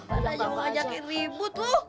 ya ada yang ngajakin ribut tuh